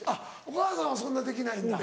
お母さんはそんなできないんだ。